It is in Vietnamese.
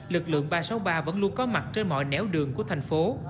lực lượng ba trăm sáu mươi ba vẫn luôn có mặt trên mọi néo đường của thành phố